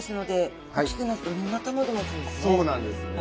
そうなんですね。